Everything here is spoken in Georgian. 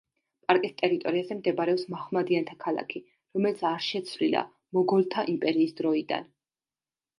პარკის ტერიტორიაზე მდებარეობს მაჰმადიანთა ქალაქი, რომელიც არ შეცვლილა მოგოლთა იმპერიის დროიდან.